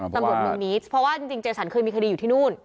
ตำรวจเมืองมีทพอว่าจริงเจซันเคยมีคดีอยู่ที่นู้น